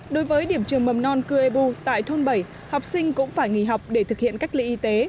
đối với điểm trường mầm non cư ê bu tại thôn bảy học sinh cũng phải nghỉ học để thực hiện cách ly y tế